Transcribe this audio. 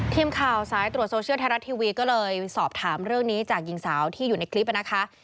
ทีมข่าวสายตรวจโซเชียลไทยรัฐทีวีก็เลยสอบถามเรื่องนี้จากหญิงสาวที่อยู่ในคลิปนะคะ